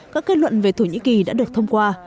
các kết luận về thổ nhĩ kỳ đã được thông qua